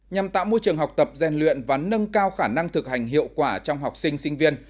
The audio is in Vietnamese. nhằm tạo môi trường học tập gian luyện và nâng cao khả năng thực hành hiệu quả trong học sinh sinh viên